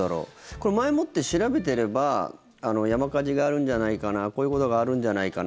これ、前もって調べてれば山火事があるんじゃないかなこういうことがあるんじゃないかな